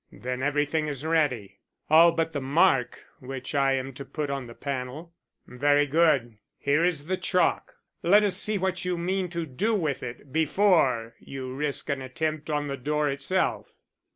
"Then everything is ready." "All but the mark which I am to put on the panel." "Very good. Here is the chalk. Let us see what you mean to do with it before you risk an attempt on the door itself."